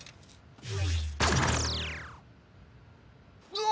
うわ！